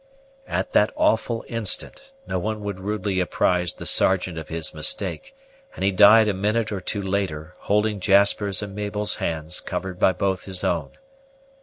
At that awful instant, no one would rudely apprise the Sergeant of his mistake; and he died a minute or two later, holding Jasper's and Mabel's hands covered by both his own.